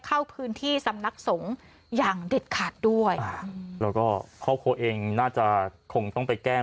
เข้าพื้นที่สำนักสงฆ์อย่างเด็ดขาดด้วยแล้วก็ครอบครัวเองน่าจะคงต้องไปแก้